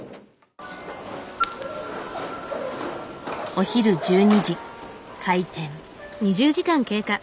お昼１２時開店。